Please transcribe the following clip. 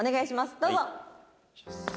どうぞ。